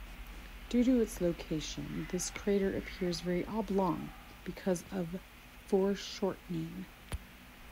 Due to its location, this crater appears very oblong because of foreshortening.